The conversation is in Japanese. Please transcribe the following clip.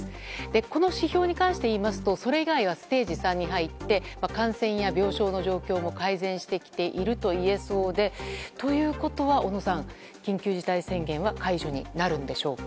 この指標に関して言いますとそれ以外はステージ３に入って感染や病床の状況も改善してきているといえそうでということは、小野さん緊急事態宣言は解除になるんでしょうか。